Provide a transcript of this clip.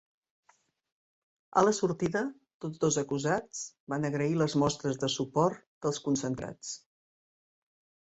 A la sortida, tots dos acusats van agrair les mostres de suport dels concentrats.